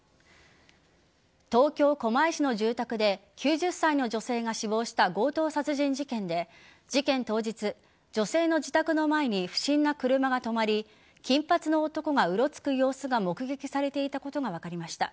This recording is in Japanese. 東京・狛江市の住宅で９０歳の女性が死亡した強盗殺人事件で事件当日、女性の自宅の前に不審な車が止まり金髪の男がうろつく様子が目撃されていたことが分かりました。